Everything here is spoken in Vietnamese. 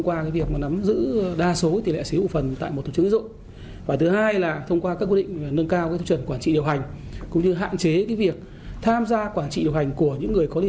quản lý người điều hành của tổ chức tín dụng